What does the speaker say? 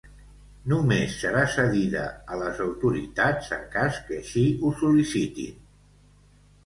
només serà cedida a les autoritats en cas que així ho sol·licitin